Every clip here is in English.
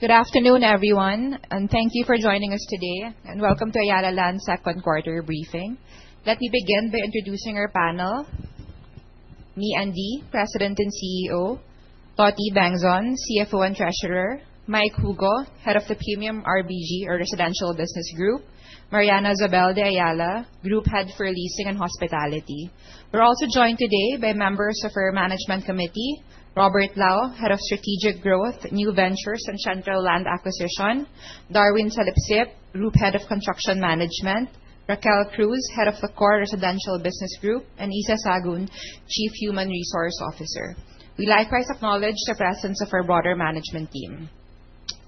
Good afternoon, everyone, thank you for joining us today. Welcome to Ayala Land's second quarter briefing. Let me begin by introducing our panel. Meean Dy, President and CEO. Toti Bengzon, CFO and Treasurer. Mike Hugo, Head of the Premium RBG or Residential Business Group. Mariana Zobel de Ayala, Group Head for Leasing and Hospitality. We are also joined today by members of our management committee, Robert Lao, Head of Strategic Growth, New Ventures and Central Land Acquisition, Darwin Salipsip, Group Head of Construction Management, Raquel Cruz, Head of the Core Residential Business Group, and Issa Sagun, Chief Human Resource Officer. We likewise acknowledge the presence of our broader management team.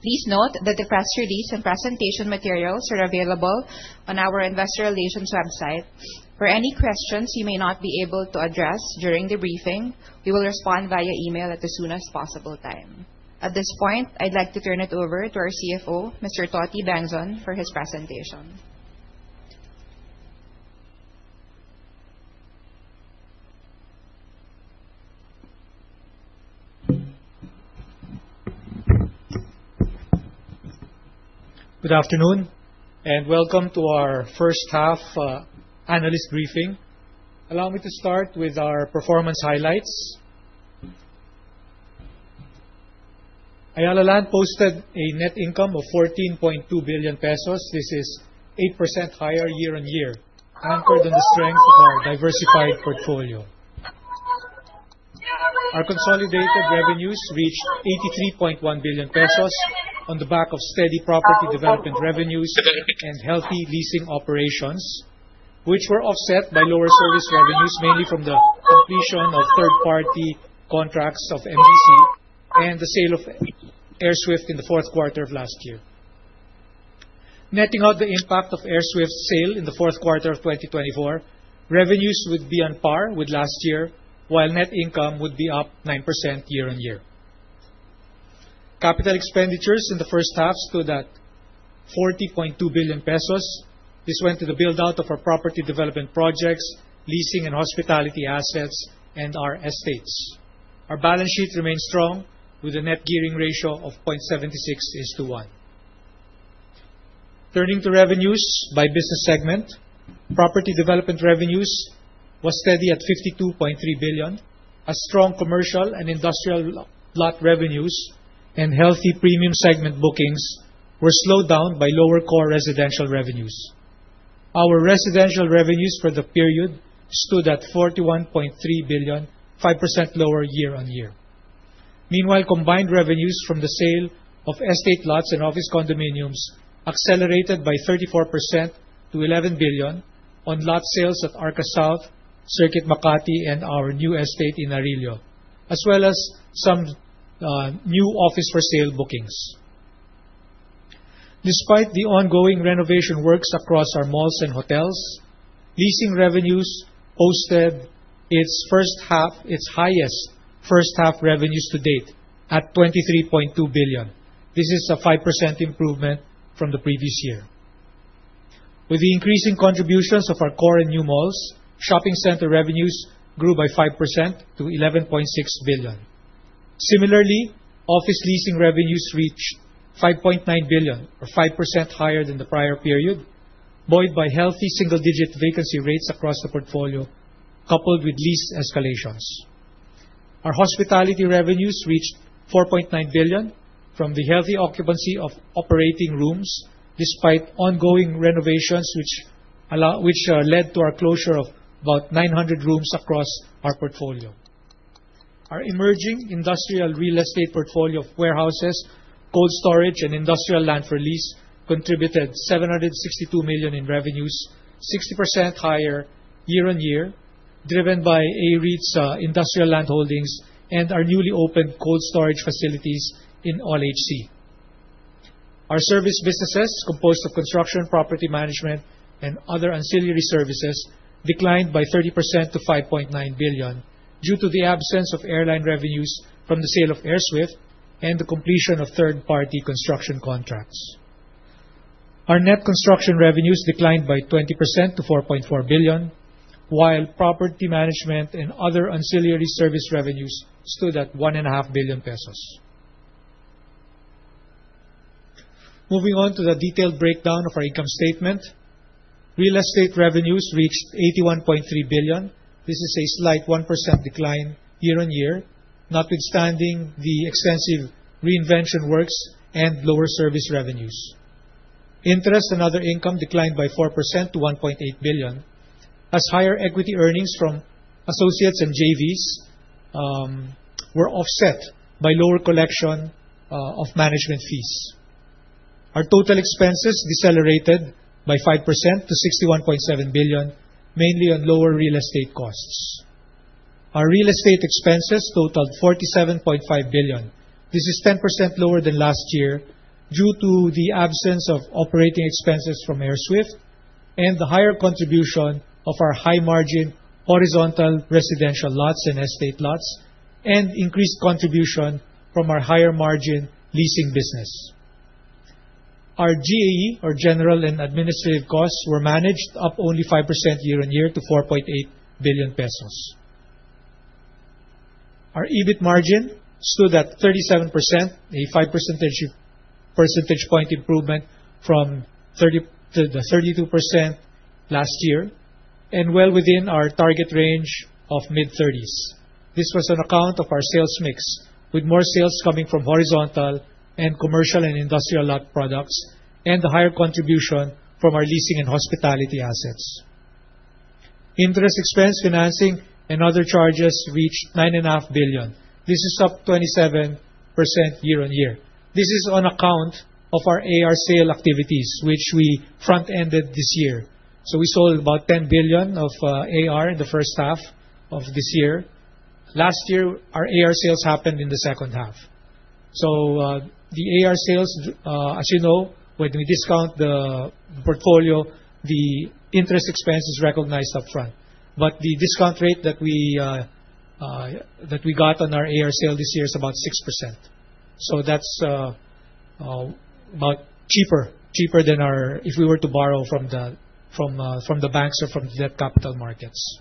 Please note that the press release and presentation materials are available on our investor relations website. For any questions we may not be able to address during the briefing, we will respond via email at the soonest possible time. At this point, I would like to turn it over to our CFO, Mr. Toti Bengzon, for his presentation. Good afternoon and welcome to our first half analyst briefing. Allow me to start with our performance highlights. Ayala Land posted a net income of 14.2 billion pesos. This is 8% higher year-on-year, anchored on the strength of our diversified portfolio. Our consolidated revenues reached 83.1 billion pesos on the back of steady property development revenues and healthy leasing operations, which were offset by lower service revenues, mainly from the completion of third-party contracts of NGC and the sale of AirSWIFT in the fourth quarter of last year. Netting out the impact of AirSWIFT's sale in the fourth quarter of 2024, revenues would be on par with last year, while net income would be up 9% year-on-year. Capital expenditures in the first half stood at 40.2 billion pesos. This went to the build-out of our property development projects, leasing and hospitality assets, and our estates. Our balance sheet remains strong with a net gearing ratio of 0.76:1. Turning to revenues by business segment. Property development revenues was steady at 52.3 billion, as strong commercial and industrial lot revenues and healthy premium segment bookings were slowed down by lower core residential revenues. Our residential revenues for the period stood at 41.3 billion, 5% lower year-on-year. Meanwhile, combined revenues from the sale of estate lots and office condominiums accelerated by 34% to 11 billion on lot sales at Arca South, Circuit Makati, and our new estate in Arillo, as well as some new office for sale bookings. Despite the ongoing renovation works across our malls and hotels, leasing revenues posted its highest first half revenues to date at 23.2 billion. This is a 5% improvement from the previous year. With the increasing contributions of our core and new malls, shopping center revenues grew by 5% to 11.6 billion. Similarly, office leasing revenues reached 5.9 billion or 5% higher than the prior period, buoyed by healthy single-digit vacancy rates across the portfolio coupled with lease escalations. Our hospitality revenues reached 4.9 billion from the healthy occupancy of operating rooms despite ongoing renovations which led to our closure of about 900 rooms across our portfolio. Our emerging industrial real estate portfolio of warehouses, cold storage, and industrial land for lease contributed 762 million in revenues, 60% higher year-on-year, driven by AREIT's industrial land holdings and our newly opened cold storage facilities in ALLHC. Our service businesses, composed of construction, property management, and other ancillary services, declined by 30% to 5.9 billion due to the absence of airline revenues from the sale of AirSWIFT and the completion of third-party construction contracts. Our net construction revenues declined by 20% to 4.4 billion, while property management and other ancillary service revenues stood at 1.5 billion pesos. Moving on to the detailed breakdown of our income statement. Real estate revenues reached 81.3 billion. This is a slight 1% decline year-on-year, notwithstanding the extensive reinvention works and lower service revenues. Interest and other income declined by 4% to 1.8 billion, as higher equity earnings from associates and JVs were offset by lower collection of management fees. Our total expenses decelerated by 5% to 61.7 billion, mainly on lower real estate costs. Our real estate expenses totaled 47.5 billion. This is 10% lower than last year due to the absence of operating expenses from AirSWIFT and the higher contribution of our high-margin horizontal residential lots and estate lots and increased contribution from our higher-margin leasing business. Our GAE, or General and Administrative costs, were managed up only 5% year-on-year to 4.8 billion pesos. Our EBIT margin stood at 37%, a five percentage point improvement from the 32% last year, and well within our target range of mid-30s. This was on account of our sales mix, with more sales coming from horizontal and commercial and industrial lot products, and higher contribution from our leasing and hospitality assets. Interest expense financing and other charges reached 9.5 billion. This is up 27% year-on-year. This is on account of our AR sale activities, which we front-ended this year. We sold about 10 billion of AR in the first half of this year. Last year, our AR sales happened in the second half. The AR sales, as you know, when we discount the portfolio, the interest expense is recognized upfront. The discount rate that we got on our AR sale this year is about 6%. That's cheaper than if we were to borrow from the banks or from the debt capital markets.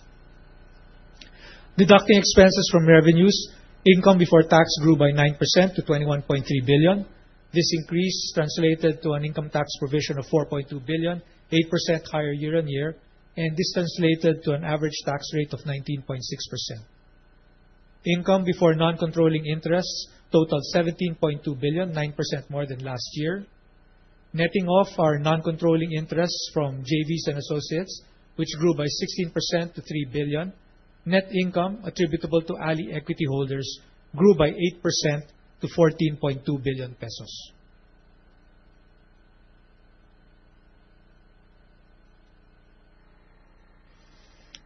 Deducting expenses from revenues, income before tax grew by 9% to 21.3 billion. This increase translated to an income tax provision of 4.2 billion, 8% higher year-on-year, and this translated to an average tax rate of 19.6%. Income before non-controlling interests totaled 17.2 billion, 9% more than last year. Netting off our non-controlling interests from JVs and associates, which grew by 16% to 3 billion, net income attributable to ALI equity holders grew by 8% to 14.2 billion pesos.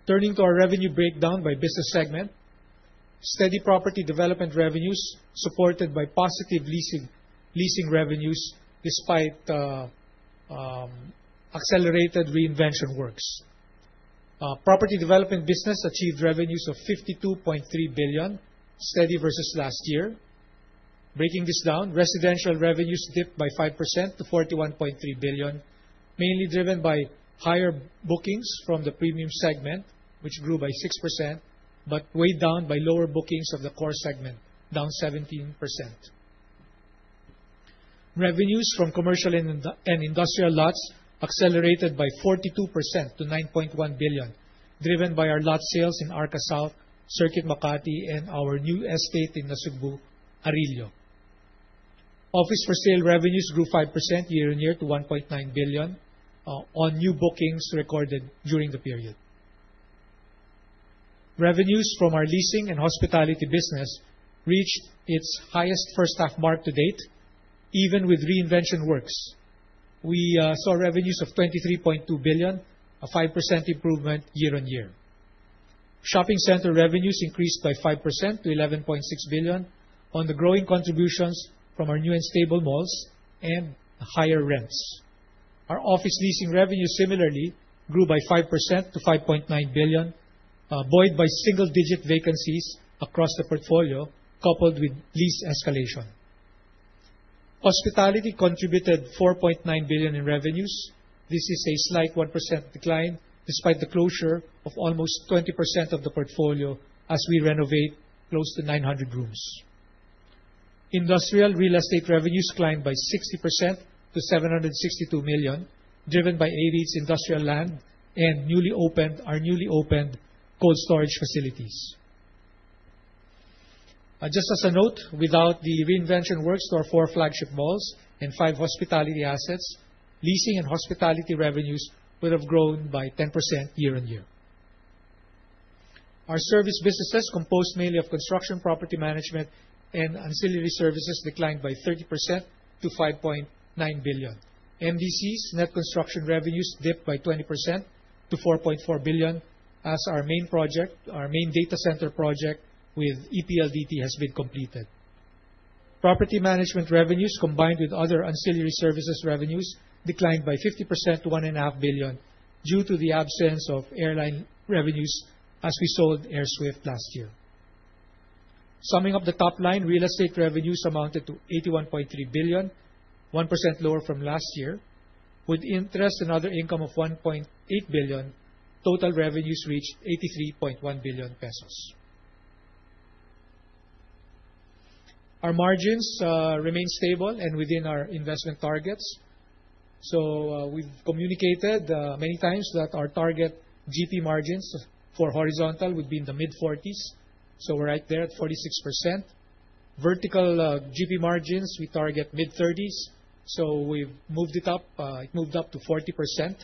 Turning to our revenue breakdown by business segment. Steady property development revenues supported by positive leasing revenues despite accelerated reinvention works. Property development business achieved revenues of 52.3 billion, steady versus last year. Breaking this down, residential revenues dipped by 5% to 41.3 billion, mainly driven by higher bookings from the premium segment, which grew by 6%, but weighed down by lower bookings of the core segment, down 17%. Revenues from commercial and industrial lots accelerated by 42% to 9.1 billion, driven by our lot sales in Arca South, Circuit Makati, and our new estate in Cebu, Arillo. Office-for-sale revenues grew 5% year-on-year to 1.9 billion on new bookings recorded during the period. Revenues from our leasing and hospitality business reached its highest first half mark to date, even with reinvention works. We saw revenues of 23.2 billion, a 5% improvement year-on-year. Shopping center revenues increased by 5% to 11.6 billion on the growing contributions from our new and stable malls and higher rents. Our office leasing revenue similarly grew by 5% to 5.9 billion, buoyed by single-digit vacancies across the portfolio, coupled with lease escalation. Hospitality contributed 4.9 billion in revenues. This is a slight 1% decline, despite the closure of almost 20% of the portfolio as we renovate close to 900 rooms. Industrial real estate revenues climbed by 60% to 762 million, driven by 88's industrial land and our newly opened cold storage facilities. As a note, without the reinvention works to our four flagship malls and five hospitality assets, leasing and hospitality revenues would have grown by 10% year-on-year. Our service businesses, composed mainly of construction, property management, and ancillary services, declined by 30% to 5.9 billion. MDC's net construction revenues dipped by 20% to 4.4 billion as our main data center project with ETLDT has been completed. Property management revenues combined with other ancillary services revenues declined by 50% to 1.5 billion due to the absence of airline revenues as we sold AirSWIFT last year. Summing up the top line, real estate revenues amounted to 81.3 billion, 1% lower from last year, with interest and other income of 1.8 billion, total revenues reached 83.1 billion pesos. Our margins remain stable and within our investment targets. We've communicated many times that our target GP margins for horizontal would be in the mid-40s. We're right there at 46%. Vertical GP margins, we target mid-30s. We've moved it up. It moved up to 40%.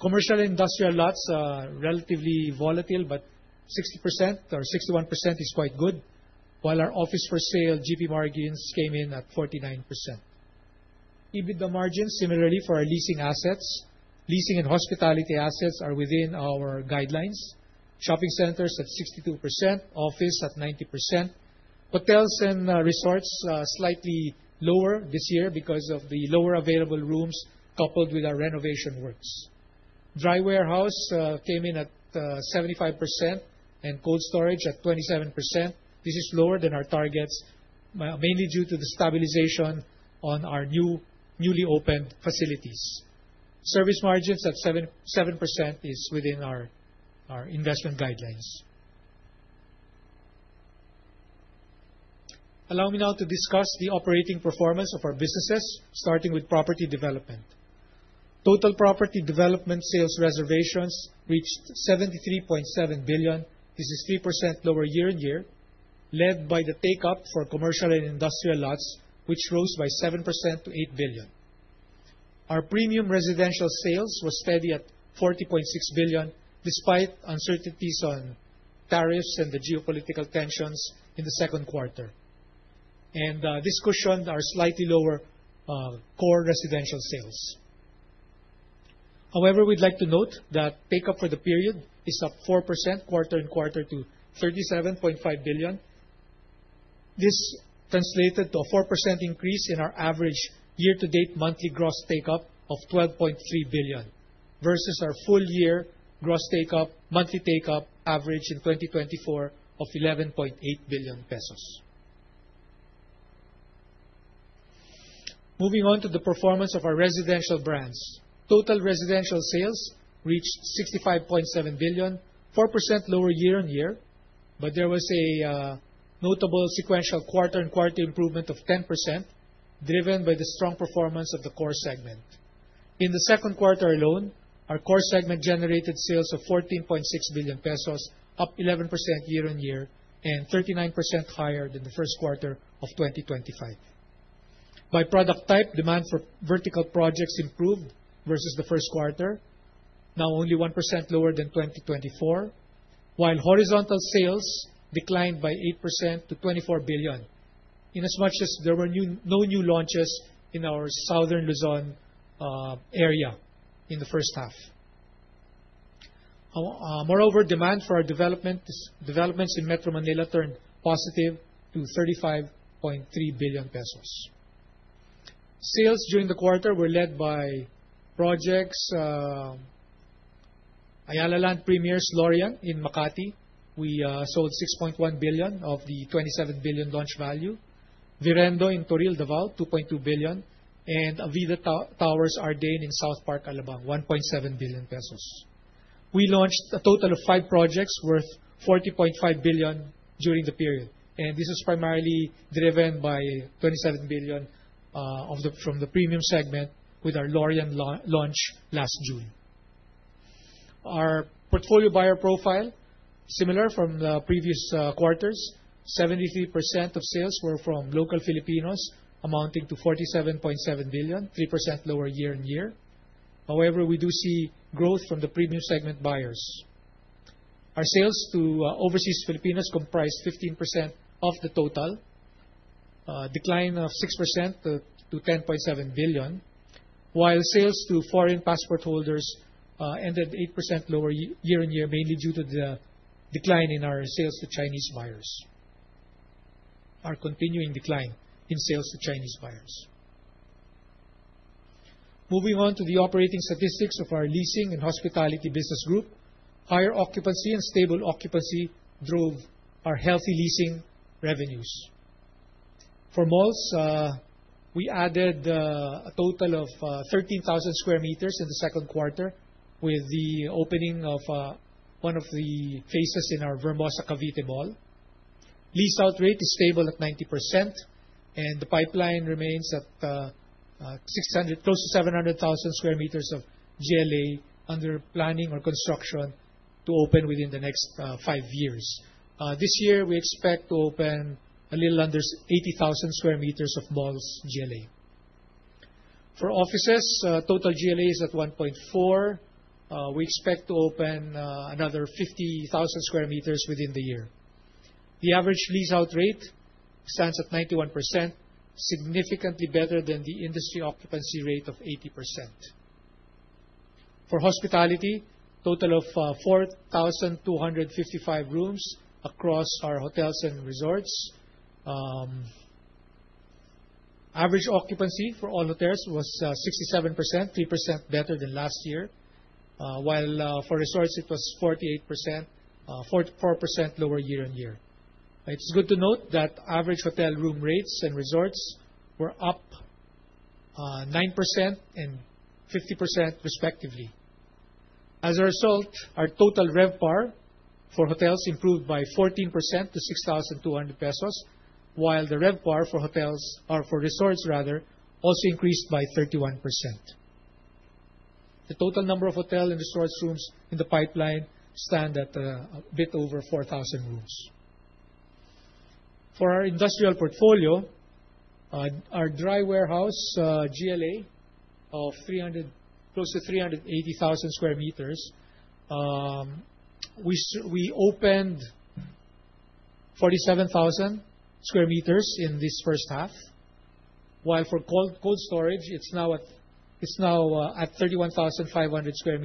Commercial industrial lots are relatively volatile, 60% or 61% is quite good, while our Office-for-sale GP margins came in at 49%. EBITDA margins similarly for our leasing assets. Leasing and hospitality assets are within our guidelines. Shopping centers at 62%, office at 90%. Hotels and resorts slightly lower this year because of the lower available rooms coupled with our renovation works. Dry warehouse came in at 75% and cold storage at 27%. This is lower than our targets, mainly due to the stabilization on our newly opened facilities. Service margins at 7% is within our investment guidelines. Allow me now to discuss the operating performance of our businesses, starting with property development. Total property development sales reservations reached 73.7 billion. This is 3% lower year-on-year, led by the take-up for commercial and industrial lots, which rose by 7% to 8 billion. Our premium residential sales was steady at 40.6 billion, despite uncertainties on tariffs and the geopolitical tensions in the second quarter. This cushioned our slightly lower core residential sales. We'd like to note that take-up for the period is up 4% quarter-on-quarter to 37.5 billion. This translated to a 4% increase in our average year-to-date monthly gross take-up of 12.3 billion versus our full-year monthly take-up average in 2024 of 11.8 billion pesos. Moving on to the performance of our residential brands. Total residential sales reached 65.7 billion, 4% lower year-on-year, there was a notable sequential quarter-on-quarter improvement of 10%, driven by the strong performance of the core segment. In the second quarter alone, our core segment generated sales of 14.6 billion pesos, up 11% year-on-year and 39% higher than the first quarter of 2025. By product type, demand for vertical projects improved versus the first quarter, now only 1% lower than 2024, while horizontal sales declined by 8% to 24 billion. In as much as there were no new launches in our Southern Luzon area in the first half. Moreover, demand for our developments in Metro Manila turned positive to 35.3 billion pesos. Sales during the quarter were led by projects Ayala Land Premier's Lorian in Makati. We sold 6.1 billion of the 27 billion launch value. Virendo in Toril, Davao, 2.2 billion, and Avida Towers Ardane in South Park District, Alabang, 1.7 billion pesos. We launched a total of five projects worth 40.5 billion during the period, this was primarily driven by 27 billion from the premium segment with our Lorian launch last June. Our portfolio buyer profile, similar from the previous quarters, 73% of sales were from local Filipinos amounting to 47.7 billion, 3% lower year-on-year. We do see growth from the premium segment buyers. Our sales to overseas Filipinos comprised 15% of the total, a decline of 6% to 10.7 billion, while sales to foreign passport holders ended 8% lower year-on-year, mainly due to the decline in our sales to Chinese buyers. Our continuing decline in sales to Chinese buyers. Moving on to the operating statistics of our leasing and hospitality business group. Higher occupancy and stable occupancy drove our healthy leasing revenues. For malls, we added a total of 13,000 square meters in the second quarter with the opening of one of the phases in our Vermosa Cavite Mall. Lease out rate is stable at 90%. The pipeline remains at close to 700,000 square meters of GLA under planning or construction to open within the next five years. This year, we expect to open a little under 80,000 square meters of malls GLA. For offices, total GLA is at 1.4. We expect to open another 50,000 square meters within the year. The average lease out rate stands at 91%, significantly better than the industry occupancy rate of 80%. For hospitality, total of 4,255 rooms across our hotels and resorts. Average occupancy for all hotels was 67%, 3% better than last year. While for resorts, it was 48%, 44% lower year-on-year. It's good to note that average hotel room rates and resorts were up 9% and 50%, respectively. As a result, our total RevPAR for hotels improved by 14% to 6,200 pesos, while the RevPAR for resorts also increased by 31%. The total number of hotel and resort rooms in the pipeline stand at a bit over 4,000 rooms. For our industrial portfolio, our dry warehouse GLA of close to 380,000 sq m. We opened 47,000 sq m in this first half, while for cold storage, it is now at 31,500 sq m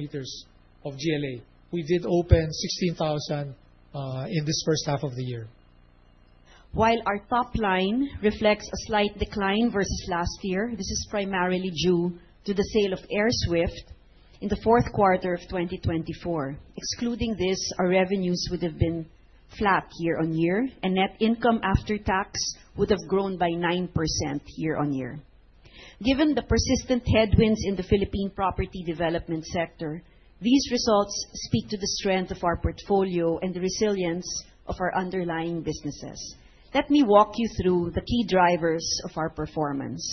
of GLA. We did open 16,000 in this first half of the year. While our top line reflects a slight decline versus last year, this is primarily due to the sale of AirSWIFT in the fourth quarter of 2024. Excluding this, our revenues would have been flat year-on-year and net income after tax would have grown by 9% year-on-year. Given the persistent headwinds in the Philippine property development sector, these results speak to the strength of our portfolio and the resilience of our underlying businesses. Let me walk you through the key drivers of our performance.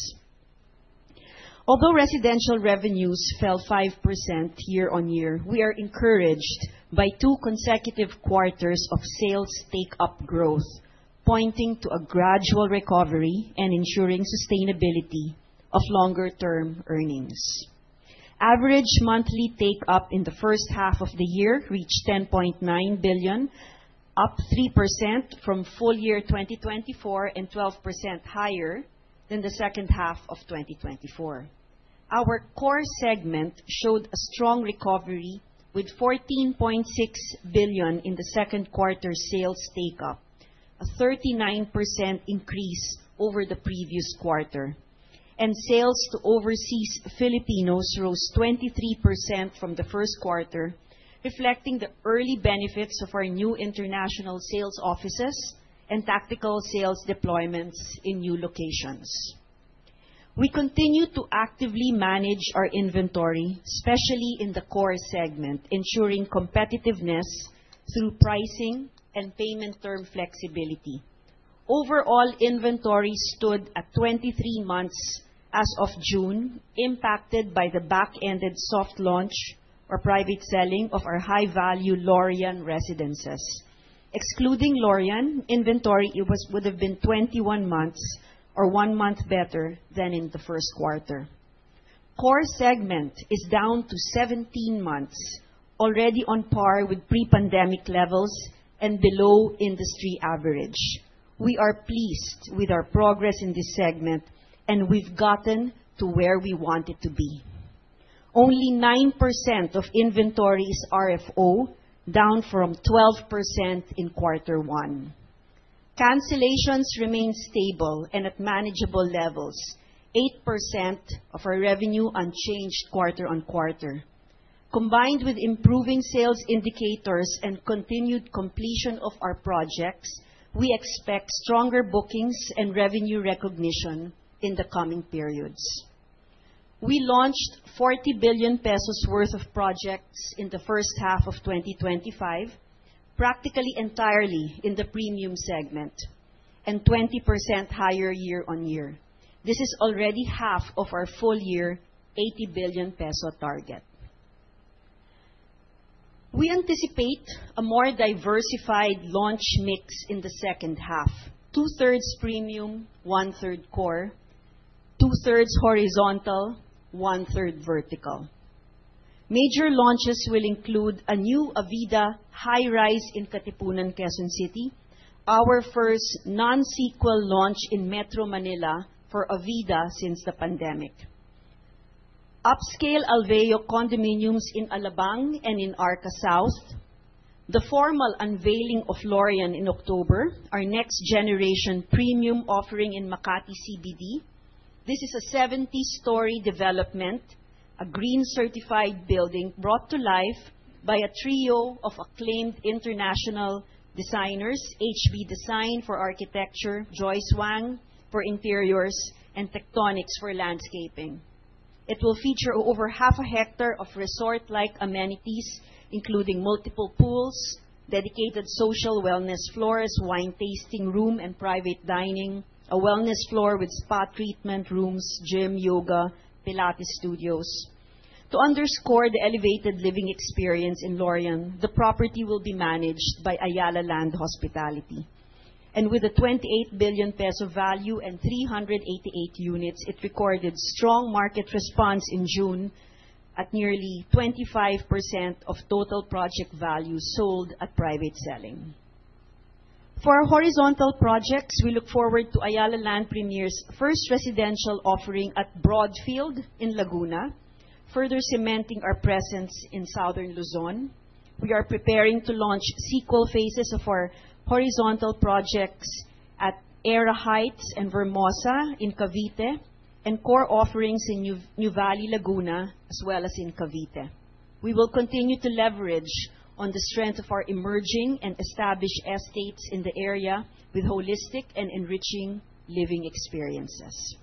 Although residential revenues fell 5% year-on-year, we are encouraged by two consecutive quarters of sales take-up growth, pointing to a gradual recovery and ensuring sustainability of longer-term earnings. Average monthly take-up in the first half of the year reached 10.9 billion, up 3% from full year 2024 and 12% higher than the second half of 2024. Our core segment showed a strong recovery with 14.6 billion in the second quarter sales take-up, a 39% increase over the previous quarter, and sales to overseas Filipinos rose 23% from the first quarter, reflecting the early benefits of our new international sales offices and tactical sales deployments in new locations. We continue to actively manage our inventory, especially in the core segment, ensuring competitiveness through pricing and payment term flexibility. Overall inventory stood at 23 months as of June, impacted by the back-ended soft launch or private selling of our high-value Lorian Residences. Excluding Lorian, inventory would have been 21 months or one month better than in the first quarter. Core segment is down to 17 months, already on par with pre-pandemic levels and below industry average. We are pleased with our progress in this segment and we have gotten to where we want it to be. Only 9% of inventory is RFO, down from 12% in quarter one. Cancellations remain stable and at manageable levels, 8% of our revenue unchanged quarter-on-quarter. Combined with improving sales indicators and continued completion of our projects, we expect stronger bookings and revenue recognition in the coming periods. We launched 40 billion pesos worth of projects in the first half of 2025, practically entirely in the premium segment and 20% higher year-on-year. This is already half of our full year 80 billion peso target. We anticipate a more diversified launch mix in the second half, two-thirds premium, one-third core, two-thirds horizontal, one-third vertical. Major launches will include a new Avida high-rise in Katipunan, Quezon City, our first non-sequel launch in Metro Manila for Avida since the pandemic. Upscale Alveo condominiums in Alabang and in Arca South. The formal unveiling of Lorian in October, our next generation premium offering in Makati CBD. This is a 70-story development, a green certified building brought to life by a trio of acclaimed international designers, HB Design for architecture, Joyce Wang for interiors and Tectonics for landscaping. It will feature over half a hectare of resort-like amenities, including multiple pools, dedicated social wellness floors, wine tasting room and private dining, a wellness floor with spa treatment rooms, gym, yoga, Pilates studios. To underscore the elevated living experience in Lorian, the property will be managed by Ayala Land Hospitality. And with a 28 billion peso value and 388 units, it recorded strong market response in June at nearly 25% of total project value sold at private selling. For our horizontal projects, we look forward to Ayala Land Premier's first residential offering at Broadfield in Laguna, further cementing our presence in Southern Luzon. We are preparing to launch sequel phases of our horizontal projects at Aéra Heights and Vermosa in Cavite and core offerings in Nuvali, Laguna as well as in Cavite. We will continue to leverage on the strength of our emerging and established estates in the area with holistic and enriching living experiences.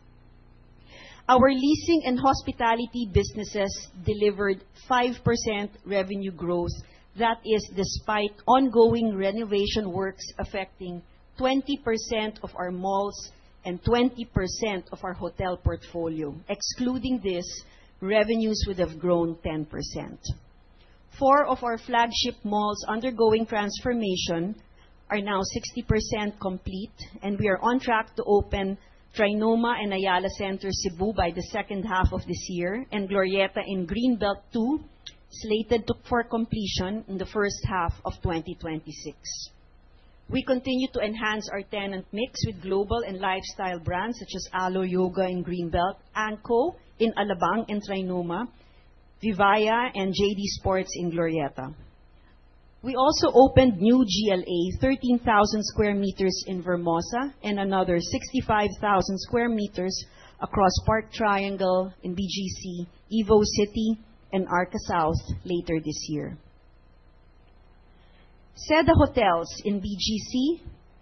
Our leasing and hospitality businesses delivered 5% revenue growth. That is despite ongoing renovation works affecting 20% of our malls and 20% of our hotel portfolio. Excluding this, revenues would have grown 10%. Four of our flagship malls undergoing transformation are now 60% complete, and we are on track to open Trinoma and Ayala Center Cebu by the second half of this year and Glorietta and Greenbelt 2 slated for completion in the first half of 2026. We continue to enhance our tenant mix with global and lifestyle brands such as Alo Yoga in Greenbelt, Anko in Alabang and Trinoma, VIVAIA and JD Sports in Glorietta. We also opened new GLA, 13,000 square meters in Vermosa and another 65,000 square meters across Park Triangle in BGC, Evo City and Arca South later this year. Seda Hotels in BGC,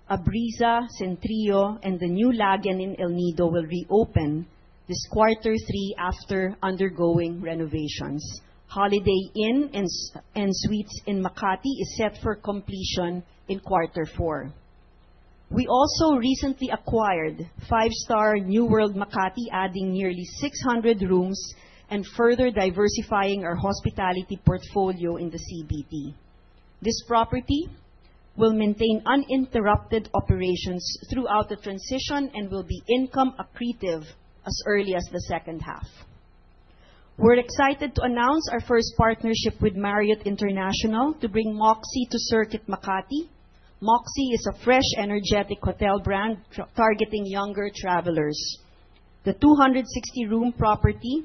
Abreeza, Centrio, and the new Lagen in El Nido will reopen this quarter 3 after undergoing renovations. Holiday Inn & Suites Makati is set for completion in quarter 4. We also recently acquired five-star New World Makati Hotel, adding nearly 600 rooms and further diversifying our hospitality portfolio in the CBD. This property will maintain uninterrupted operations throughout the transition and will be income accretive as early as the second half. We are excited to announce our first partnership with Marriott International to bring Moxy to Circuit Makati. Moxy is a fresh, energetic hotel brand targeting younger travelers. The 260-room property,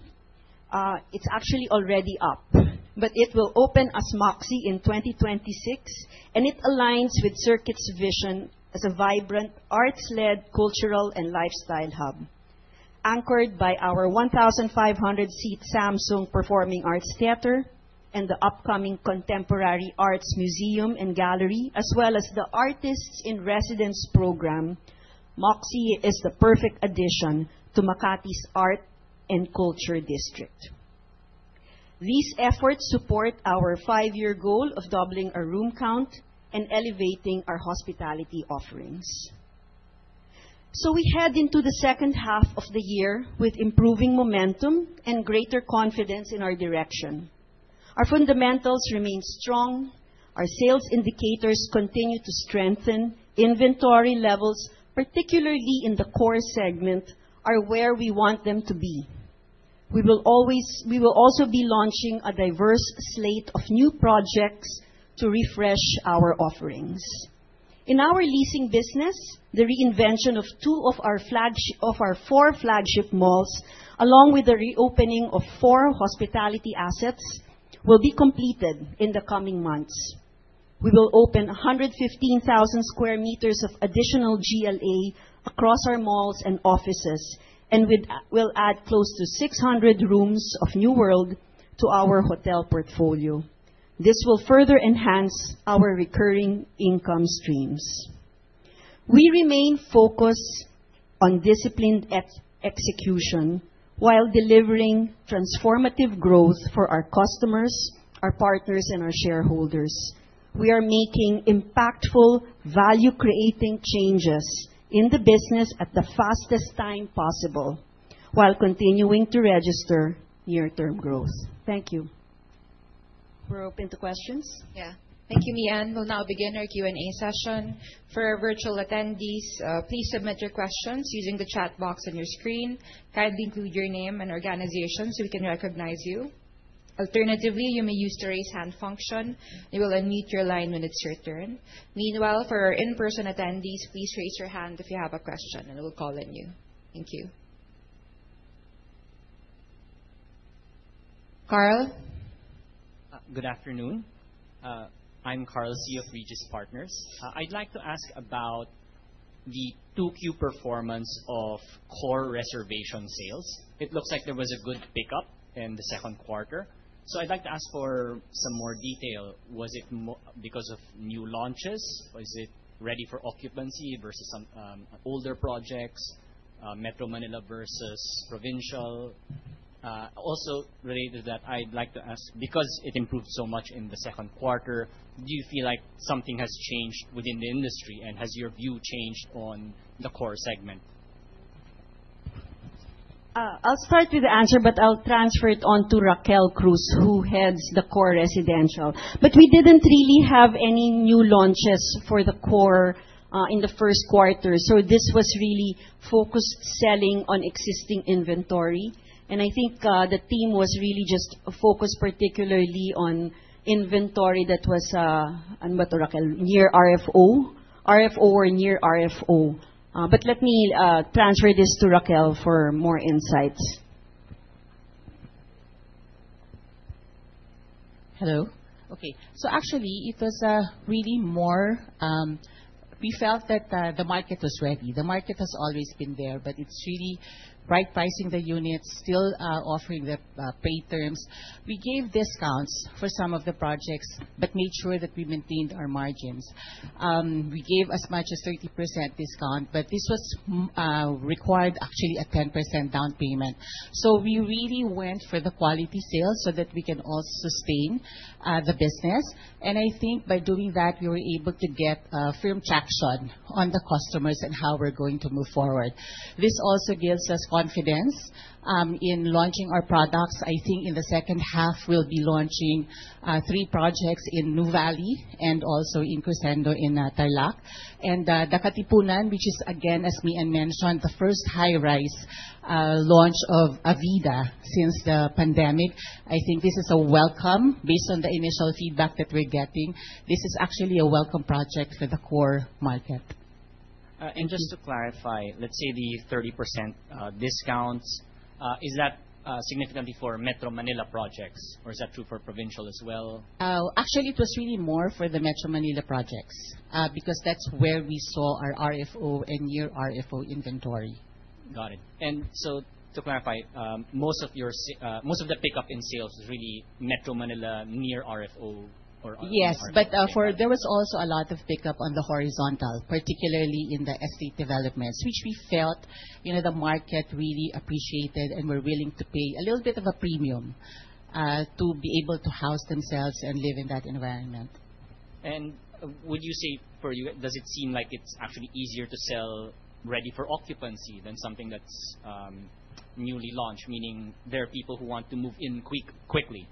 it is actually already up, but it will open as Moxy in 2026, and it aligns with Circuit's vision as a vibrant, arts-led cultural and lifestyle hub. Anchored by our 1,500-seat Samsung Performing Arts Theater and the upcoming Contemporary Arts Museum and Gallery, as well as the Artists in Residence program, Moxy is the perfect addition to Makati's Art and Culture District. These efforts support our five-year goal of doubling our room count and elevating our hospitality offerings. We head into the second half of the year with improving momentum and greater confidence in our direction. Our fundamentals remain strong. Our sales indicators continue to strengthen. Inventory levels, particularly in the core segment, are where we want them to be. We will also be launching a diverse slate of new projects to refresh our offerings. In our leasing business, the reinvention of two of our four flagship malls, along with the reopening of four hospitality assets, will be completed in the coming months. We will open 115,000 sq m of additional GLA across our malls and offices, and we'll add close to 600 rooms of New World to our hotel portfolio. This will further enhance our recurring income streams. We remain focused on disciplined execution while delivering transformative growth for our customers, our partners, and our shareholders. We are making impactful, value-creating changes in the business at the fastest time possible while continuing to register year-term growth. Thank you. We're open to questions. Thank you, Mian. We'll now begin our Q&A session. For our virtual attendees, please submit your questions using the chat box on your screen. Kindly include your name and organization so we can recognize you. Alternatively, you may use the raise hand function. We will unmute your line when it's your turn. Meanwhile, for our in-person attendees, please raise your hand if you have a question, and we'll call on you. Thank you. Carl? Good afternoon. I'm Carl Sio of Regis Partners. I'd like to ask about the 2Q performance of core reservation sales. It looks like there was a good pickup in the second quarter. I'd like to ask for some more detail. Was it because of new launches? Was it ready for occupancy versus some older projects? Metro Manila versus provincial? Related to that, I'd like to ask, because it improved so much in the second quarter, do you feel like something has changed within the industry, and has your view changed on the core segment? I'll start with the answer. I'll transfer it on to Raquel Cruz, who heads the core residential. We didn't really have any new launches for the core in the first quarter. This was really focused selling on existing inventory. I think the team was really just focused particularly on inventory that was near RFO. RFO or near RFO. Let me transfer this to Raquel for more insights. Hello. Okay. Actually, we felt that the market was ready. The market has always been there, but it's really right pricing the units, still offering the pay terms. We gave discounts for some of the projects but made sure that we maintained our margins. We gave as much as 30% discount, but this required actually a 10% down payment. We really went for the quality sales so that we can all sustain the business. I think by doing that, we were able to get firm traction on the customers and how we're going to move forward. This also gives us confidence in launching our products. I think in the second half, we'll be launching three projects in Nuvali and also in Crescendo in Tarlac. The Katipunan, which is again, as Mian mentioned, the first high-rise launch of Avida since the pandemic. I think this is welcome based on the initial feedback that we're getting. This is actually a welcome project for the core market. Just to clarify, let's say the 30% discounts, is that significantly for Metro Manila projects, or is that true for provincial as well? Actually, it was really more for the Metro Manila projects because that's where we saw our RFO and near RFO inventory. Got it. To clarify, most of the pickup in sales is really Metro Manila near RFO or RFO apartment? Yes. There was also a lot of pickup on the horizontal, particularly in the estate developments, which we felt the market really appreciated and were willing to pay a little bit of a premium to be able to house themselves and live in that environment. Would you say for you, does it seem like it's actually easier to sell ready for occupancy than something that's newly launched? Meaning there are people who want to move in quickly, right?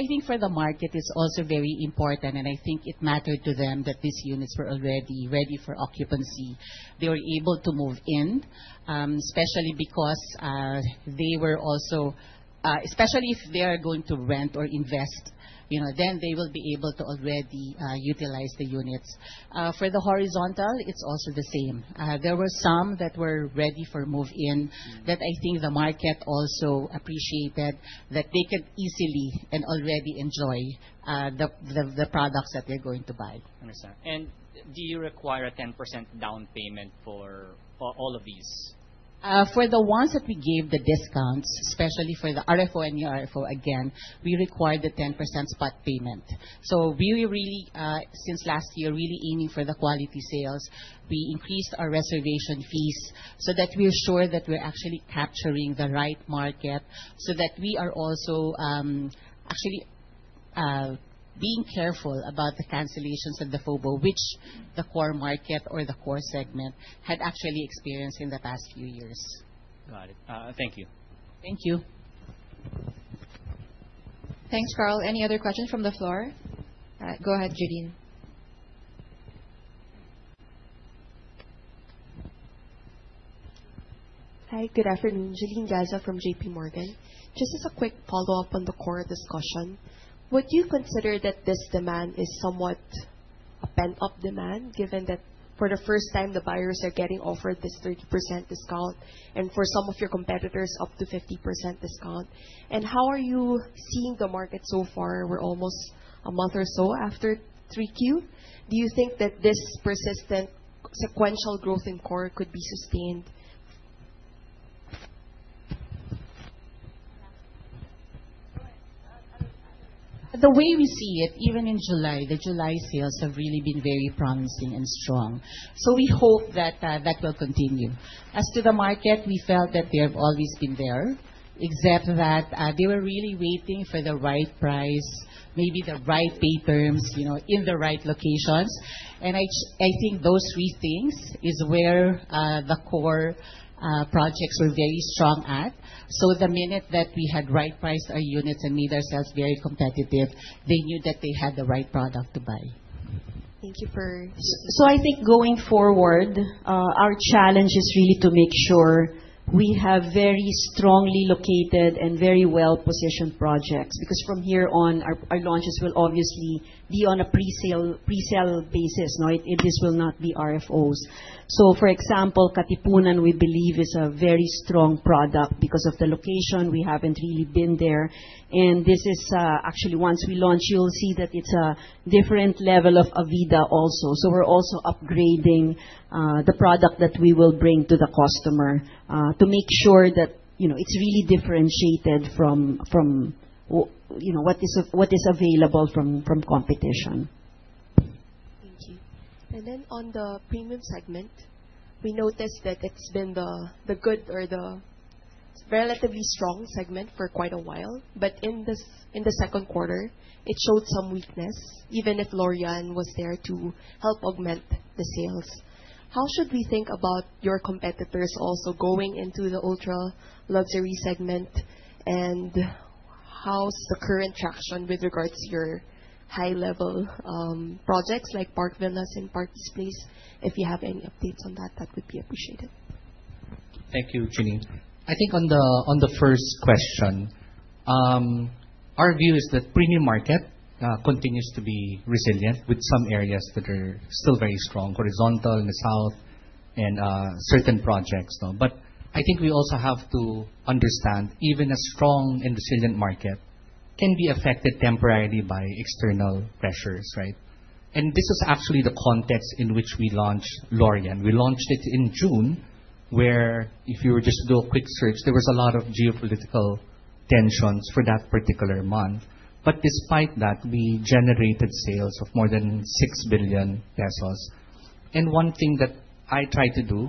I think for the market, it's also very important, and I think it mattered to them that these units were already ready for occupancy. They were able to move in, especially if they are going to rent or invest. They will be able to already utilize the units. For the horizontal, it's also the same. There were some that were ready for move-in that I think the market also appreciated that they can easily and already enjoy the products that they're going to buy. I understand. Do you require a 10% down payment for all of these? For the ones that we gave the discounts, especially for the RFO, near RFO, again, we required the 10% spot payment. Since last year, really aiming for the quality sales. We increased our reservation fees so that we are sure that we're actually capturing the right market so that we are also actually being careful about the cancellations of the FOBO which the core market or the core segment had actually experienced in the past few years. Got it. Thank you. Thank you. Thanks, Carl. Any other questions from the floor? Go ahead, Jeline. Hi, good afternoon. Jeline Gaza from J.P. Morgan. Just as a quick follow-up on the core discussion. Would you consider that this demand is somewhat a pent-up demand, given that for the first time the buyers are getting offered this 30% discount and for some of your competitors up to 50% discount? How are you seeing the market so far? We're almost a month or so after 3Q. Do you think that this persistent sequential growth in core could be sustained? The way we see it, even in July, the July sales have really been very promising and strong. We hope that that will continue. As to the market, we felt that they have always been there, except that they were really waiting for the right price, maybe the right pay terms in the right locations. I think those three things is where the core projects were very strong at. The minute that we had right price our units and made ourselves very competitive, they knew that they had the right product to buy. Thank you for- I think going forward, our challenge is really to make sure we have very strongly located and very well-positioned projects because from here on our launches will obviously be on a pre-sale basis. This will not be RFOs. For example, Katipunan we believe is a very strong product because of the location. We haven't really been there and actually once we launch you'll see that it's a different level of Avida also. We're also upgrading the product that we will bring to the customer to make sure that it's really differentiated from what is available from competition. Thank you. On the premium segment, we noticed that it's been the good or the relatively strong segment for quite a while. In the second quarter it showed some weakness, even if Lorian was there to help augment the sales. How should we think about your competitors also going into the ultra-luxury segment? How's the current traction with regards to your high-level projects like Park Villas and Parks Place? If you have any updates on that would be appreciated. Thank you, Jeline. I think on the first question, our view is that premium market continues to be resilient with some areas that are still very strong, horizontal in the south and certain projects. I think we also have to understand even a strong and resilient market can be affected temporarily by external pressures, right? This is actually the context in which we launched Lorian. We launched it in June where if you were just to do a quick search, there was a lot of geopolitical tensions for that particular month. Despite that, we generated sales of more than 6 billion pesos. One thing that I try to do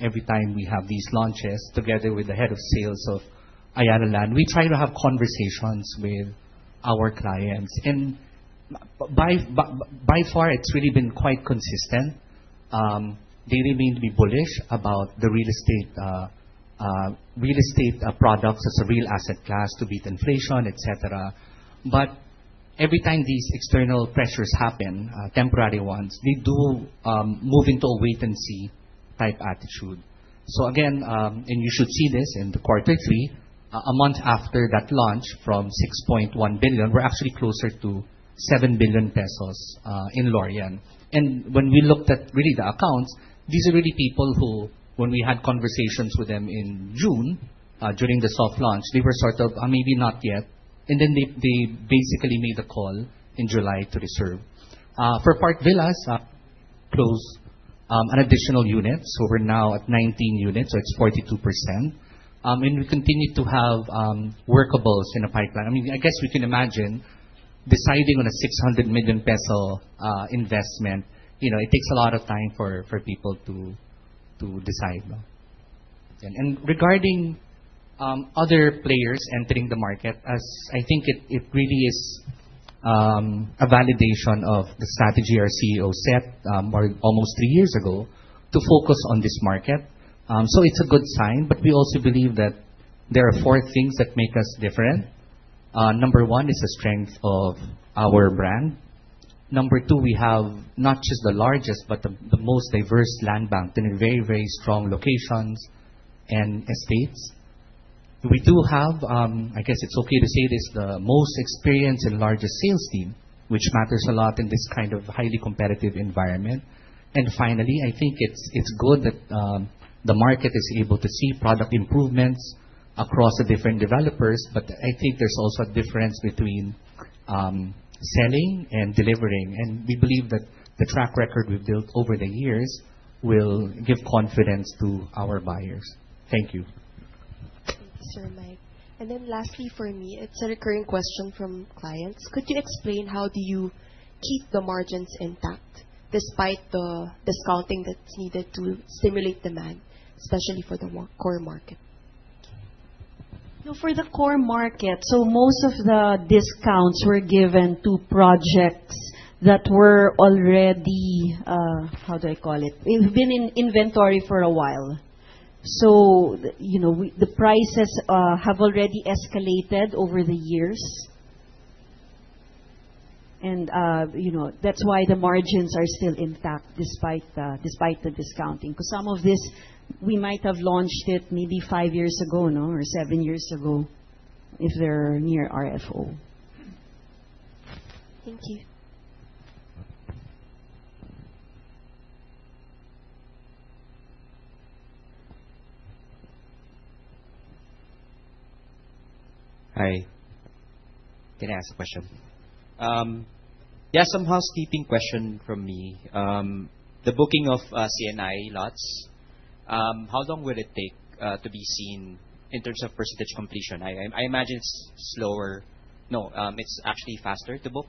every time we have these launches together with the head of sales of Ayala Land, we try to have conversations with our clients. By far it's really been quite consistent. They remain to be bullish about the real estate products as a real asset class to beat inflation, et cetera. Every time these external pressures happen, temporary ones, they do move into a wait-and-see type attitude. You should see this in the quarter three, a month after that launch from 6.1 billion, we're actually closer to 7 billion pesos in Lorian. When we looked at really the accounts, these are really people who when we had conversations with them in June during the soft launch, they were sort of maybe not yet. They basically made the call in July to reserve. For Park Villas, closed an additional unit, so we're now at 19 units, so it's 42%. We continue to have workables in the pipeline. I guess we can imagine deciding on a 600 million peso investment, it takes a lot of time for people to decide. Regarding other players entering the market, I think it really is a validation of the strategy our CEO set almost three years ago to focus on this market. It's a good sign, but we also believe that there are four things that make us different. Number 1 is the strength of our brand. Number 2, we have not just the largest, but the most diverse land bank and in very strong locations and estates. We do have, I guess it's okay to say this, the most experienced and largest sales team, which matters a lot in this kind of highly competitive environment. Finally, I think it's good that the market is able to see product improvements across the different developers. I think there's also a difference between selling and delivering. We believe that the track record we've built over the years will give confidence to our buyers. Thank you. Thank you, Sir Mike. Lastly from me, it's a recurring question from clients. Could you explain how do you keep the margins intact despite the discounting that's needed to stimulate demand, especially for the core market? Thank you. For the core market, most of the discounts were given to projects that were already, how do I call it? Been in inventory for a while. The prices have already escalated over the years. That's why the margins are still intact despite the discounting, because some of this, we might have launched it maybe five years ago or seven years ago, if they're near RFO. Thank you. Hi, can I ask a question? Just some housekeeping question from me. The booking of C&I lots, how long will it take to be seen in terms of percentage completion? I imagine it's slower. No, it's actually faster to book.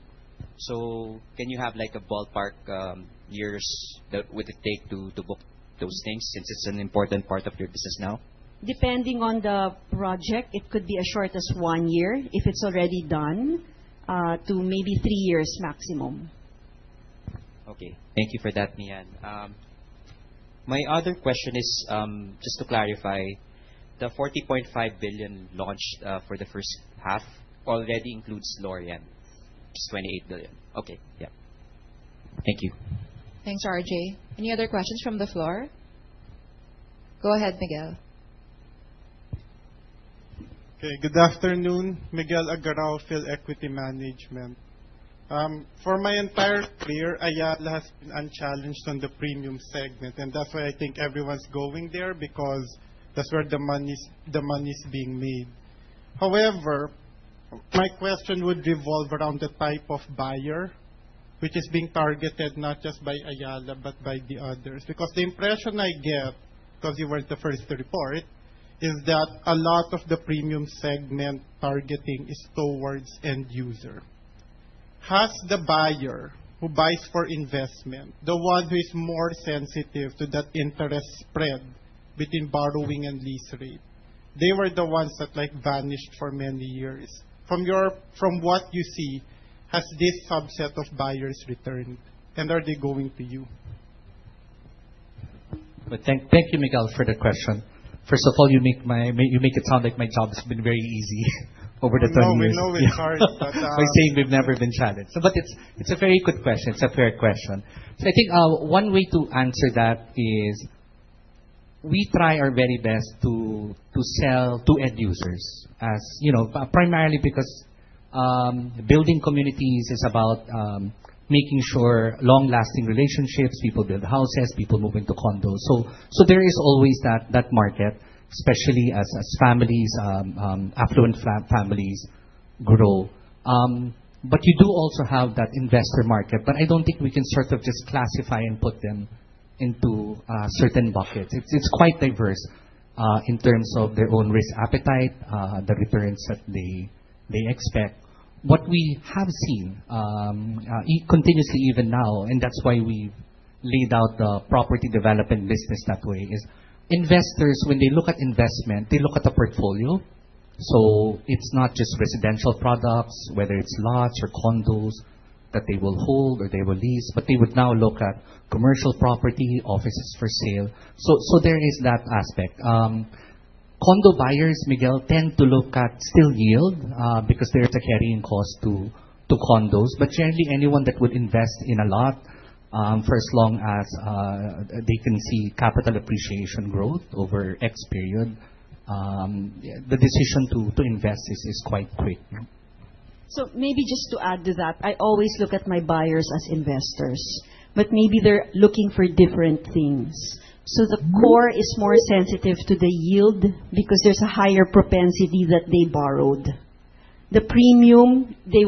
Can you have a ballpark years that would it take to book those things since it's an important part of your business now? Depending on the project, it could be as short as one year if it's already done, to maybe three years maximum. Okay. Thank you for that, Mian. My other question is, just to clarify, the 40.5 billion launched for the first half already includes Lorian, which is 28 billion. Okay. Yeah. Thank you. Thanks, RJ. Any other questions from the floor? Go ahead, Miguel. Okay, good afternoon. Miguel Agarao, Philequity Management Inc. For my entire career, Ayala has been unchallenged on the premium segment, and that's why I think everyone's going there because that's where the money's being made. However, my question would revolve around the type of buyer which is being targeted not just by Ayala but by the others. The impression I get, because you were the first to report, is that a lot of the premium segment targeting is towards end user. Has the buyer who buys for investment, the one who is more sensitive to that interest spread between borrowing and lease rate, they were the ones that vanished for many years. From what you see, has this subset of buyers returned, and are they going to you? Thank you, Miguel, for the question. First of all, you make it sound like my job has been very easy over the years. I know it's hard. By saying we've never been challenged. It's a very good question. It's a fair question. I think one way to answer that is we try our very best to sell to end users as primarily because building communities is about making sure long-lasting relationships, people build houses, people move into condos. There is always that market, especially as affluent families grow. You do also have that investor market, but I don't think we can sort of just classify and put them into certain buckets. It's quite diverse in terms of their own risk appetite, the returns that they expect. What we have seen continuously even now, and that's why we laid out the property development business that way, is investors when they look at investment, they look at a portfolio. It's not just residential products, whether it's lots or condos that they will hold or they will lease, but they would now look at commercial property, offices for sale. There is that aspect. Condo buyers, Miguel, tend to look at still yield because there is a carrying cost to condos. Generally anyone that would invest in a lot for as long as they can see capital appreciation growth over X period, the decision to invest is quite quick. Maybe just to add to that, I always look at my buyers as investors, but maybe they're looking for different things. The core is more sensitive to the yield because there's a higher propensity that they borrowed. The premium, they're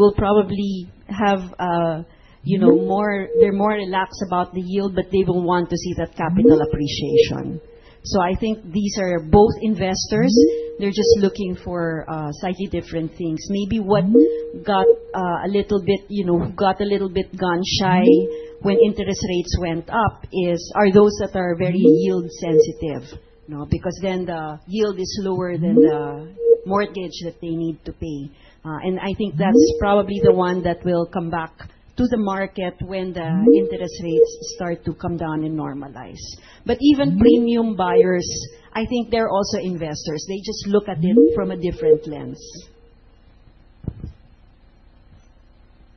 more relaxed about the yield, but they don't want to see that capital appreciation. I think these are both investors. They're just looking for slightly different things. Maybe what got a little bit gun-shy when interest rates went up are those that are very yield sensitive, because then the yield is lower than the mortgage that they need to pay. I think that's probably the one that will come back to the market when the interest rates start to come down and normalize. Even premium buyers, I think they're also investors. They just look at it from a different lens.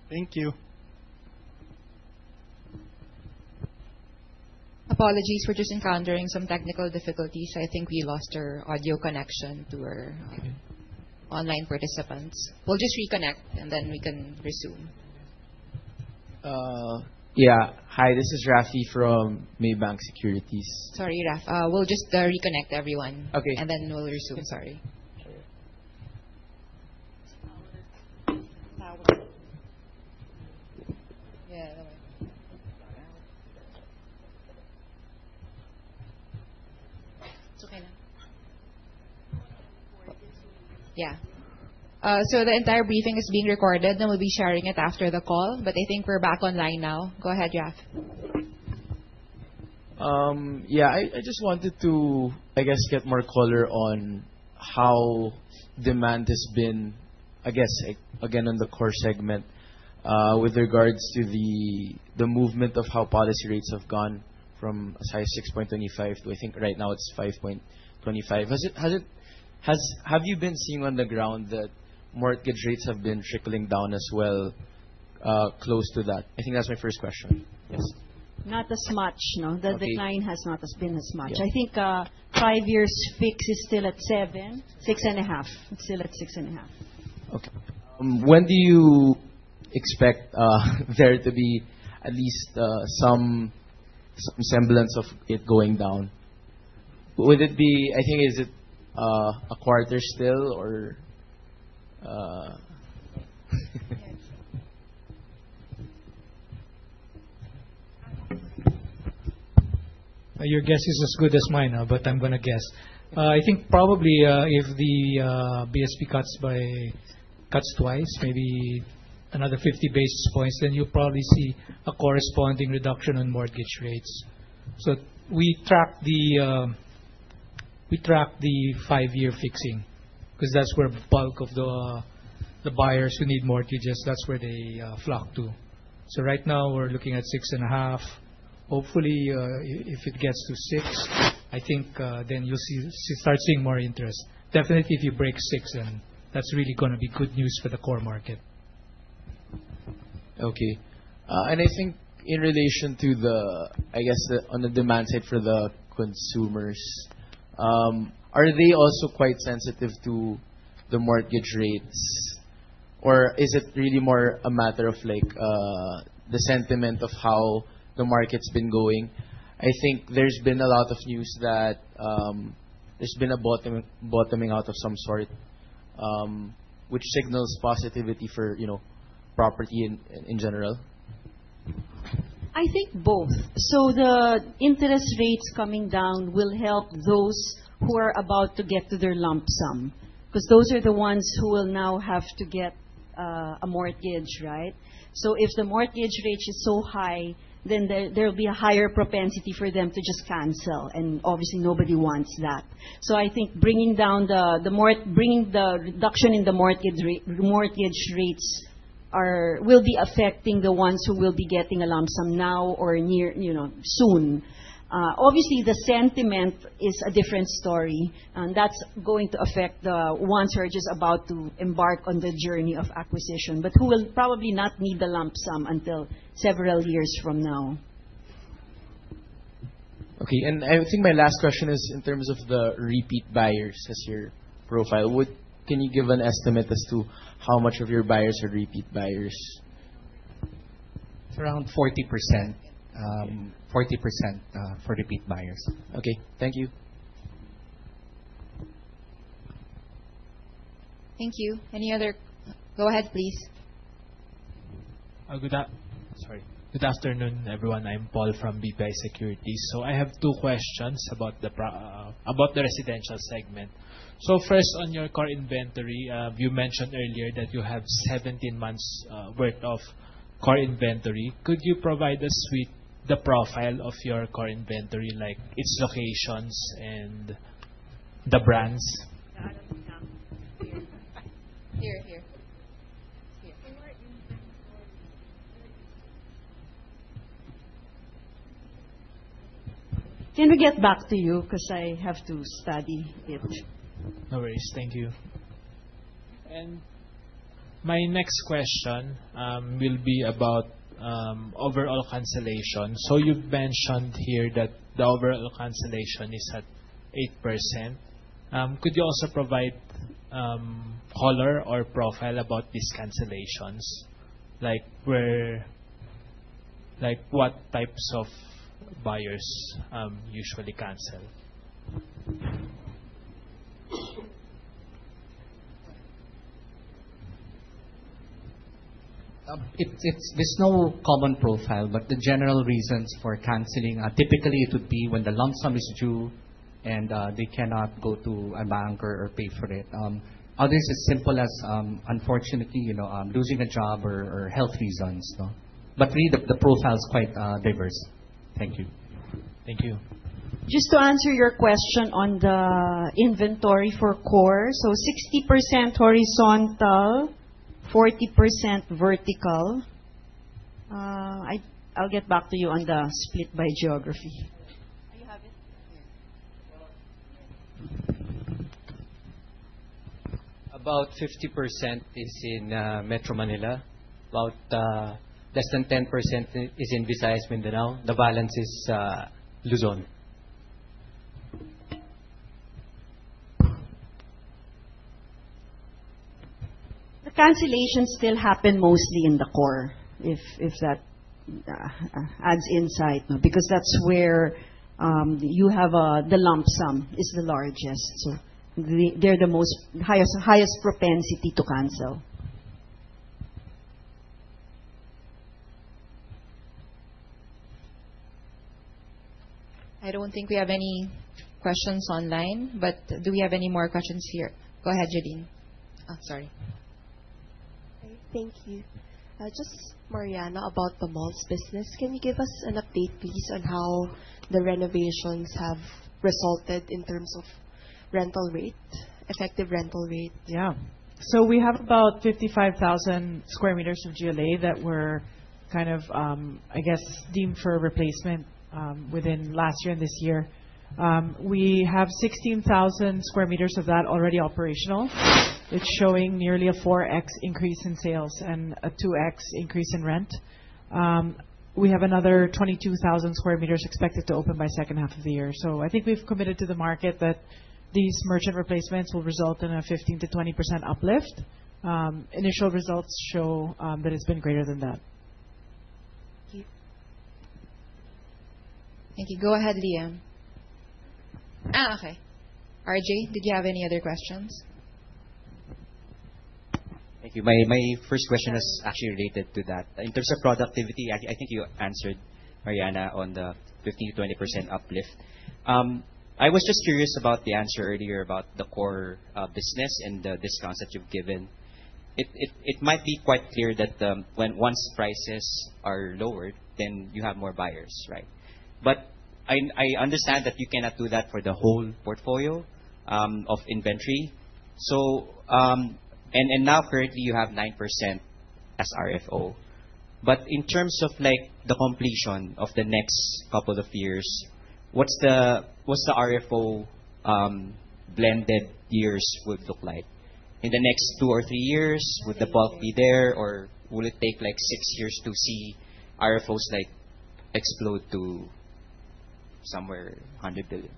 Thank you. Apologies, we're just encountering some technical difficulties. I think we lost our audio connection to our online participants. We'll just reconnect, and then we can resume. Yeah. Hi, this is Raffy from Maybank Securities. Sorry, Raf. We'll just reconnect everyone. Okay. We'll resume. Sorry. Yeah, that way. It's okay now. Yeah. The entire briefing is being recorded, and we'll be sharing it after the call, but I think we're back online now. Go ahead, Raf. Yeah. I just wanted to, I guess, get more color on how demand has been, I guess, again, on the core segment, with regards to the movement of how policy rates have gone from as high as 6.25 to, I think right now it's 5.25. Have you been seeing on the ground that mortgage rates have been trickling down as well, close to that? I think that's my first question. Yes. Not as much, no. Okay. The decline has not been as much. Yeah. I think five years fixed is still at seven. Six and a half. It's still at six and a half. Okay. When do you expect there to be at least some semblance of it going down? Is it a quarter still or Your guess is as good as mine. I'm going to guess. Probably if the BSP cuts twice, maybe another 50 basis points, you'll probably see a corresponding reduction in mortgage rates. We track the five-year fixing because that's where the bulk of the buyers who need mortgages flock to. Right now we're looking at 6.5. Hopefully, if it gets to 6, you'll start seeing more interest. Definitely if you break 6, that's really going to be good news for the core market. Okay. In relation to the demand side for the consumers, are they also quite sensitive to the mortgage rates, or is it really more a matter of the sentiment of how the market's been going? There's been a lot of news that there's been a bottoming out of some sort, which signals positivity for property in general. Both. The interest rates coming down will help those who are about to get to their lump sum. Because those are the ones who will now have to get a mortgage, right? If the mortgage rate is so high, there'll be a higher propensity for them to just cancel, and obviously nobody wants that. Bringing the reduction in the mortgage rates will be affecting the ones who will be getting a lump sum now or soon. Obviously, the sentiment is a different story, and that's going to affect the ones who are just about to embark on the journey of acquisition, but who will probably not need the lump sum until several years from now. Okay. I think my last question is in terms of the repeat buyers as your profile. Can you give an estimate as to how much of your buyers are repeat buyers? It's around 40%. 40% for repeat buyers. Okay. Thank you. Thank you. Go ahead, please. Good afternoon, everyone. I'm Paul from BPI Securities. I have two questions about the residential segment. First, on your core inventory, you mentioned earlier that you have 17 months worth of core inventory. Could you provide us with the profile of your core inventory, like its locations and the brands? Can we get back to you because I have to study it. No worries. Thank you. My next question will be about overall cancellation. You've mentioned here that the overall cancellation is at 8%. Could you also provide color or profile about these cancellations? What types of buyers usually cancel? There's no common profile. The general reasons for canceling are typically it would be when the lump sum is due and they cannot go to a bank or pay for it. Others, it's simple as unfortunately, losing a job or health reasons. Really, the profile is quite diverse. Thank you. Thank you. Just to answer your question on the inventory for core, 60% horizontal, 40% vertical. I'll get back to you on the split by geography. Do you have it? About 50% is in Metro Manila, less than 10% is in Visayas Mindanao. The balance is Luzon. The cancellations still happen mostly in the core, if that adds insight, because that's where the lump sum is the largest. They're the highest propensity to cancel. I don't think we have any questions online, but do we have any more questions here? Go ahead, Jadine. Oh, sorry. Okay. Thank you. Just, Mariana, about the malls business. Can you give us an update, please, on how the renovations have resulted in terms of effective rental rate? Yeah. We have about 55,000 sq m of GLA that were, I guess, deemed for replacement within last year and this year. We have 16,000 sq m of that already operational. It's showing nearly a 4x increase in sales and a 2x increase in rent. We have another 22,000 sq m expected to open by the second half of the year. I think we've committed to the market that these merchant replacements will result in a 15%-20% uplift. Initial results show that it's been greater than that. Thank you. Thank you. Go ahead, Liam. Okay. RJ, did you have any other questions? Thank you. My first question is actually related to that. In terms of productivity, I think you answered, Mariana, on the 15%-20% uplift. I was just curious about the answer earlier about the core business and the discounts that you've given. It might be quite clear that once prices are lowered, then you have more buyers, right? I understand that you cannot do that for the whole portfolio of inventory. Now currently you have 9% as RFO. In terms of the completion of the next couple of years, what's the RFO blended years would look like? In the next two or three years, would the bulk be there or will it take six years to see RFOs explode to somewhere PHP 100 billion?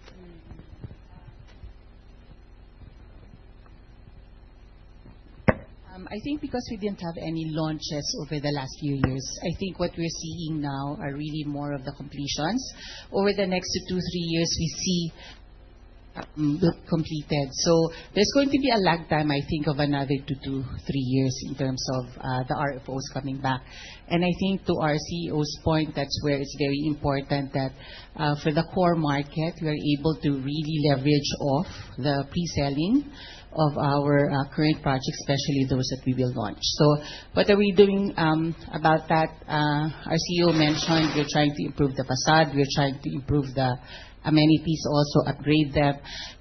I think because we didn't have any launches over the last few years, I think what we're seeing now are really more of the completions. Over the next two to three years, we see completed. There's going to be a lag time, I think, of another two to three years in terms of the RFOs coming back. I think to our CEO's point, that's where it's very important that for the core market, we are able to really leverage off the pre-selling of our current projects, especially those that we will launch. What are we doing about that? Our CEO mentioned we're trying to improve the façade, we're trying to improve the amenities also, upgrade them.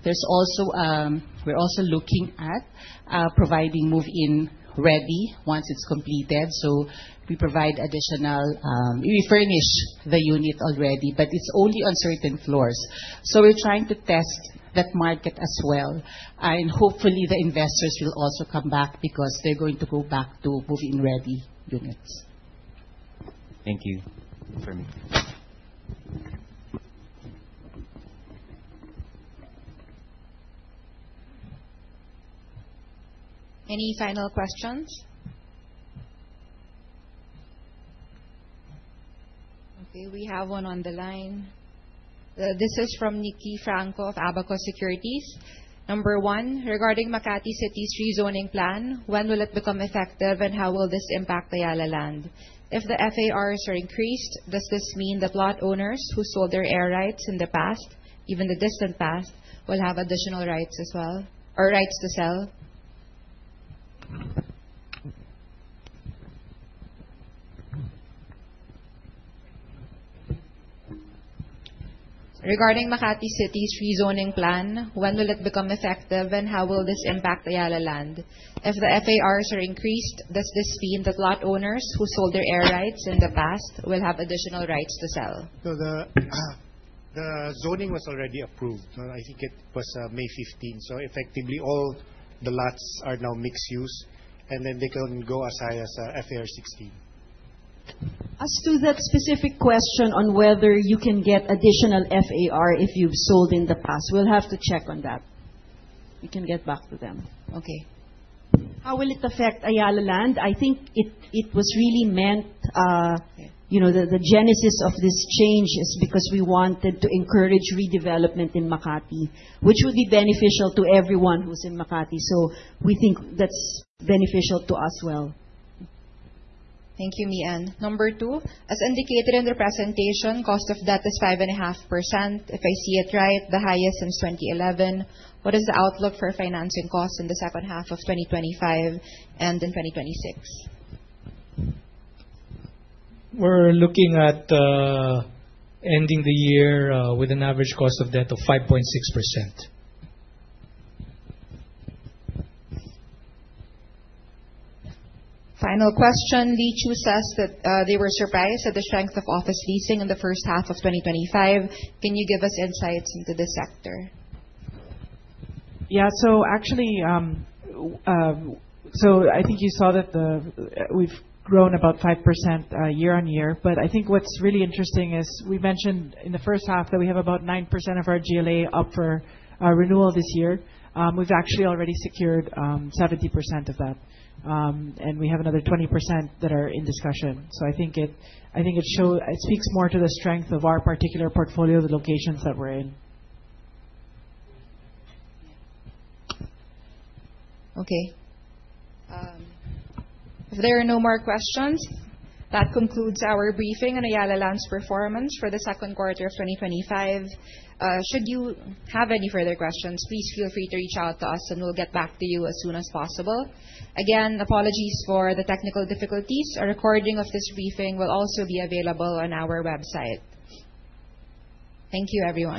We're also looking at providing move-in ready once it's completed. We furnish the unit already, but it's only on certain floors. We're trying to test that market as well, and hopefully the investors will also come back because they're going to go back to move-in ready units. Thank you. Any final questions? Okay, we have one on the line. This is from Nicky Franco of Abacus Securities. Number one, regarding Makati City's rezoning plan, when will it become effective and how will this impact Ayala Land? If the FARs are increased, does this mean the plot owners who sold their air rights in the past, even the distant past, will have additional rights to sell? Regarding Makati City's rezoning plan, when will it become effective and how will this impact Ayala Land? If the FARs are increased, does this mean the plot owners who sold their air rights in the past will have additional rights to sell? The zoning was already approved. I think it was May 15th. Effectively, all the lots are now mixed use, and then they can go as high as FAR 16. As to that specific question on whether you can get additional FAR if you've sold in the past, we'll have to check on that. We can get back to them. Okay. How will it affect Ayala Land? I think it was really meant, the genesis of this change is because we wanted to encourage redevelopment in Makati, which would be beneficial to everyone who's in Makati. We think that's beneficial to us as well. Thank you, Meean. Number 2, as indicated in the presentation, cost of debt is 5.5%, if I see it right, the highest since 2011. What is the outlook for financing costs in the second half of 2025 and in 2026? We're looking at ending the year with an average cost of debt of 5.6%. Final question. Leachu says that they were surprised at the strength of office leasing in the first half of 2025. Can you give us insights into this sector? Yeah. I think you saw that we've grown about 5% year-on-year. I think what's really interesting is we mentioned in the first half that we have about 9% of our GLA up for renewal this year. We've actually already secured 70% of that. We have another 20% that are in discussion. I think it speaks more to the strength of our particular portfolio, the locations that we're in. Okay. If there are no more questions, that concludes our briefing on Ayala Land's performance for the second quarter of 2025. Should you have any further questions, please feel free to reach out to us and we'll get back to you as soon as possible. Again, apologies for the technical difficulties. A recording of this briefing will also be available on our website. Thank you, everyone.